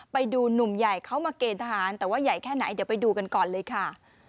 ไปดูหนุ่มใหญ่เขามาเกณฑหารแต่ว่าใหญ่แค่ไหนเดี๋ยวไปดูกันก่อนเลยค่ะ